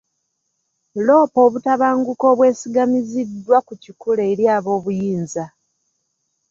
Loopa obutabanguko obwesigamiziddwa ku kikula eri ab'obuyinza.